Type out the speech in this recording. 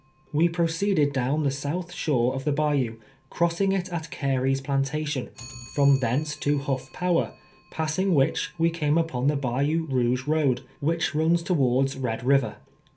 We proceeded down the south shore of the bayou, crossing it at Carey's j^lantation ; from thence to Huff Power, passing which, we came n2:)on the Bayou Kouge road, which runs towards Red Eiver.